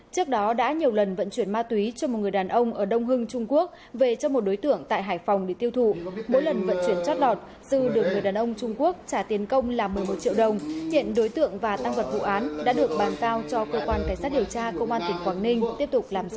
các bạn hãy đăng ký kênh để ủng hộ kênh của chúng mình nhé